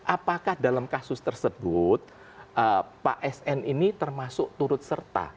apakah dalam kasus tersebut pak sn ini termasuk turut serta